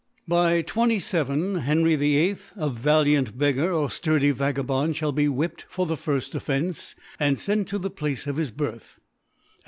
By 27 Henry VIII, A valiant Beggar, or fturdy Vagabond, (hall be whipped for the firft OfFence, and fcnt to the Place of his Birth, i^c.